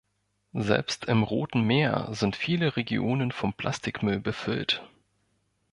Selbst im Roten Meer sind viele Regionen von Plastikmüll befüllt.